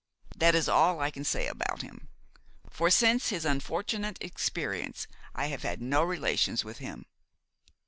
That is all I can say about him; for, since his unfortunate experience, I have had no relations with him."